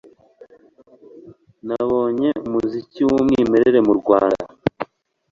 nabonye, umuziki w'umwimerere mu rwanda